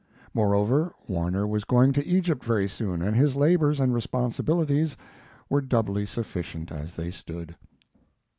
Moreover, Warner was going to Egypt very soon, and his labors and responsibilities were doubly sufficient as they stood.